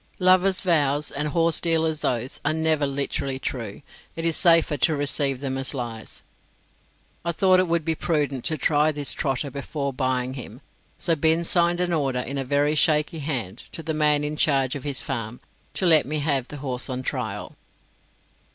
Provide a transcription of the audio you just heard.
Lovers' vows and horsedealers' oaths are never literally true; it is safer to receive them as lies. I thought it would be prudent to try this trotter before buying him, so Binns signed an order, in a very shaky hand, to the man in charge of his farm, to let me have the horse on trial.